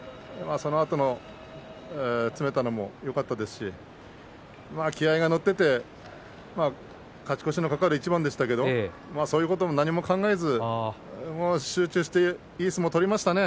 そのあと詰めたのもよかったですし気合いが乗っていて勝ち越しの懸かる一番でしたけどもそういうことも何も考えず集中していい相撲を取りましたね。